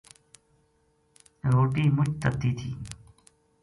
روٹی مُچ تَتی تھی